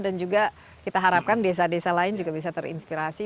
dan juga kita harapkan desa desa lain juga bisa terinspirasi